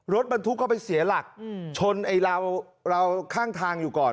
รถบรรทุกก็ไปเสียหลักชนไอ้ราวข้างทางอยู่ก่อน